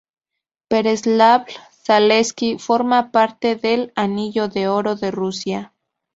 Pereslavl-Zaleski forma parte del Anillo de Oro de Rusia.